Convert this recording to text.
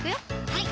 はい